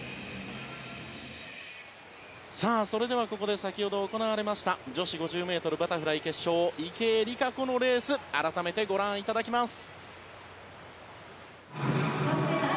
それでは、ここで先ほど行われました女子５０ｍバタフライ決勝池江璃花子のレース改めてご覧いただきます。